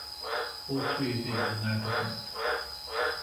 All three of these are now defunct.